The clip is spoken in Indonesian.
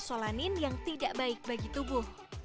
solanin yang tidak baik bagi tubuh